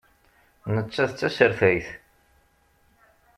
Nettat d tasertayt.